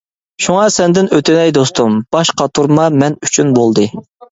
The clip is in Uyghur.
شۇڭا سەندىن ئۆتۈنەي دوستۇم، باش قاتۇرما مەن ئۈچۈن بولدى.